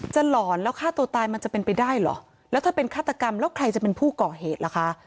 หลอนแล้วฆ่าตัวตายมันจะเป็นไปได้เหรอแล้วถ้าเป็นฆาตกรรมแล้วใครจะเป็นผู้ก่อเหตุล่ะคะ